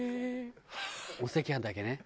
お赤飯だけね。